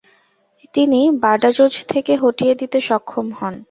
তিনি বাডাজোজ থেকে হটিয়ে দিতে সক্ষম হন।